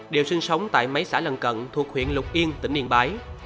đều sinh sống tại mấy xã lần cận thuộc huyện lục yên tỉnh yên bái